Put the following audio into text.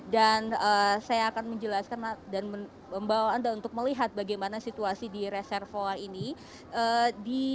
dan saya akan menjelaskan dan membawa anda untuk melihat bagaimana situasi di reservoir ini